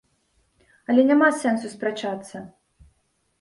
Але няма сэнсу спрачацца.